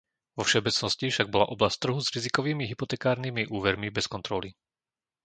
Vo všeobecnosti však bola oblasť trhu s rizikovými hypotekárnymi úvermi bez kontroly.